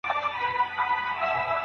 نور بیا وایي چي هغه خولۍ پر سر کوله.